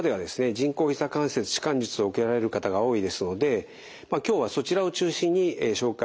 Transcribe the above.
人工ひざ関節置換術を受けられる方が多いですので今日はそちらを中心に紹介したいと思います。